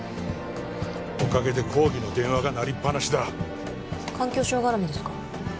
おかげで抗議の電話が鳴りっぱなしだ環境省絡みですか？